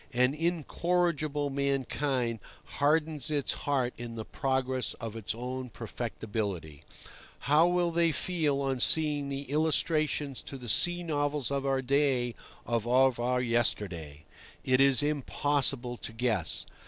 An incorrigible mankind hardens its heart in the progress of its own perfectability. How will they feel on seeing the illustrations to the sea novels of our day, or of our yesterday? It is impossible to guess.